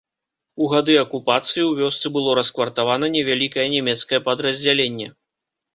У гады акупацыі ў вёсцы было раскватаравана невялікае нямецкае падраздзяленне.